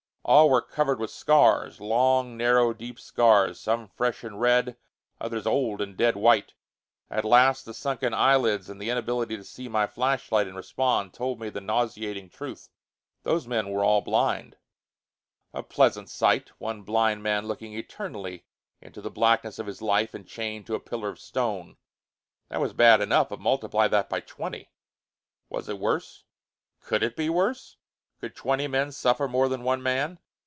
All were covered with scars; long, narrow, deep scars, some fresh and red, others old and dead white. At last, the sunken eyelids and the inability to see my flashlight and respond told me the nauseating truth. Those men were all blind. [Illustration: "Looking eternally into the blackness of his life and chained to a pillar of stone."] A pleasant sight! One blind man, looking eternally into the blackness of his life, and chained to a pillar of stone that was bad enough; but multiply that by twenty! Was it worse? Could it be worse? Could twenty men suffer more than one man?